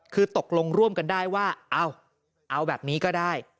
คือตกลงร่วมกันได้ว่าเอาแบบนี้ก็ได้